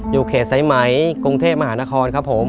อยู่เขตทรายไหมกรุงเทพมหานคร